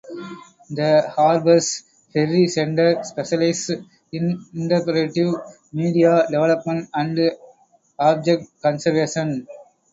The Harpers Ferry Center specializes in interpretive media development and object conservation.